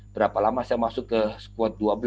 berapa lama saya masuk ke squad dua belas